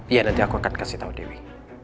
ya nanti aku akan kasih tau dewi